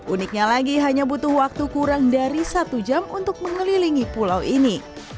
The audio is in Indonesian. uniknya lagi hanya butuh waktu kurang dari satu jam untuk mengelilingi pulau ini